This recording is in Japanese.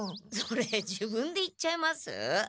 それ自分で言っちゃいます？